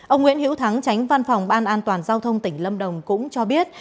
ông nguyễn hữu thắng tránh văn phòng ban an toàn giao thông tỉnh lâm đồng cũng cho biết